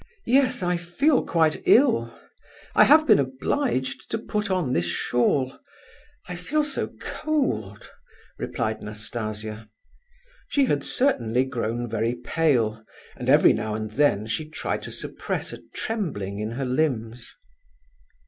"Yes; I feel quite ill. I have been obliged to put on this shawl—I feel so cold," replied Nastasia. She certainly had grown very pale, and every now and then she tried to suppress a trembling in her limbs.